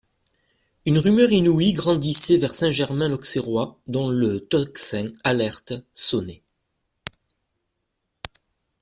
Une rumeur inouïe grandissait vers Saint-Germain-l'Auxerrois, dont le tocsin, alerte, sonnait.